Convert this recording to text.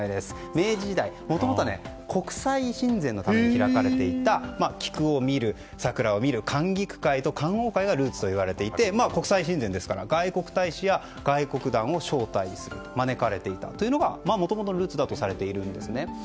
明治時代、もともとは国際親善のために開かれていた菊を見る、桜を見る観菊会と観桜会がルーツといわれていて国際親善ですから外国大使や外交団を招待する招かれていたというのがもともとのルーツだとされているんですね。